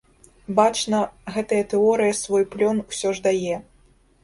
Бачна, гэтая тэорыя свой плён усё ж дае.